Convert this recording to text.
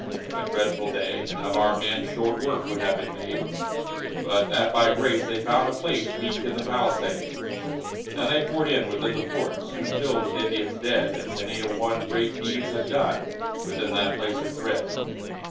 A dreadful day, and of our men Short work would have been made, But that by grace they found a place Weak in the palisade. Then they poured in, within the fort Soon filled with Indians dead, And many a one great deeds had done Within that place of dread.